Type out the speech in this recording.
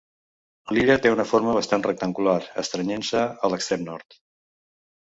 L'illa té una forma bastant rectangular, estrenyent-se a l'extrem nord.